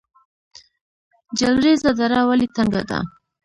جلریز دره ولې تنګه ده؟